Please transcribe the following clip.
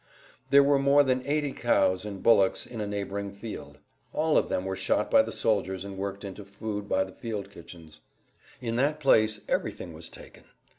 There were more than eighty cows and bullocks in a neighboring field. All of them were shot by the soldiers and worked into food by the field kitchens. In that place everything was taken.